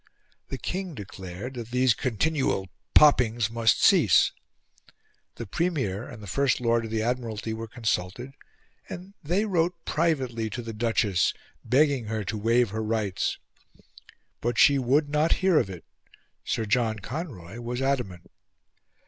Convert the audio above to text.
The King declared that these continual poppings must cease; the Premier and the First Lord of the Admiralty were consulted; and they wrote privately to the Duchess, begging her to waive her rights. But she would not hear of it; Sir John Conroy was adamant.